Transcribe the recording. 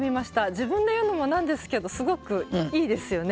自分でいうのもなんですけどすごくいいですよね。